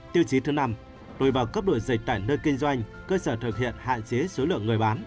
tiêu chí năm rồi vào cấp độ dịch tại nơi kinh doanh cơ sở thực hiện hạn chế số lượng người bán